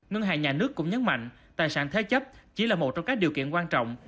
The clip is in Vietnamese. ngân hàng nhà nước cũng nhấn mạnh tài sản thế chấp chỉ là một trong các điều kiện quan trọng